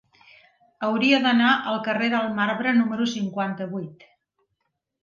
Hauria d'anar al carrer del Marbre número cinquanta-vuit.